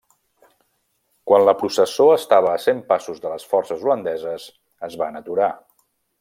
Quan la processó estava a cent passos de les forces holandeses, es van aturar.